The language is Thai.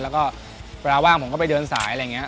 แล้วก็เวลาว่างผมก็ไปเดินสายอะไรอย่างนี้